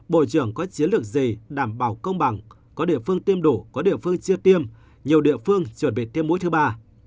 bộ trưởng có chiến lược gì đảm bảo công bằng có địa phương tiêm đủ có địa phương chưa tiêm nhiều địa phương chuẩn bị tiêm mũi thứ ba